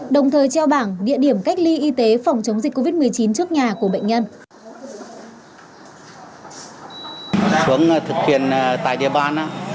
đồng thời treo bảng địa điểm cách ly y tế phòng chống dịch covid một mươi chín trước nhà của bệnh nhân